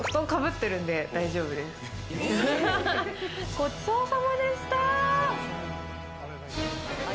ごちそうさまでした！